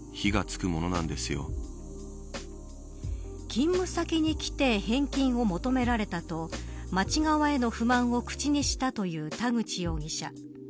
勤務先に来て返金を求められたと町側への不満を口にしたという田口容疑者。